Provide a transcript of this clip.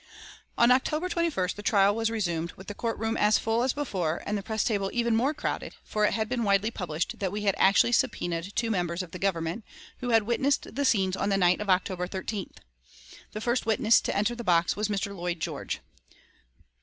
On October 21st the trial was resumed, with the courtroom as full as before and the press table even more crowded, for it had been widely published that we had actually subpoenaed two members of the Government, who had witnessed the scenes on the night of October 13th. The first witness to enter the box was Mr. Lloyd George.